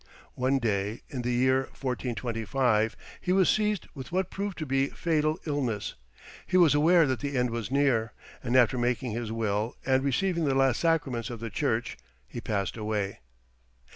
One day in the year 1425 he was seized with what proved to be fatal illness; he was aware that the end was near; and after making his will and receiving the last sacraments of the church he passed away.